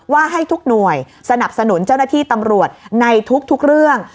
ว่าให้ทุกหน่วยสนับสนุนเจ้าหน้าที่ตำรวจในทุกเรื่อง